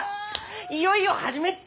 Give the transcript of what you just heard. いよいよ始めっと！